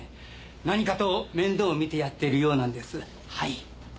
何かと面倒を見てやってるようなんですはい。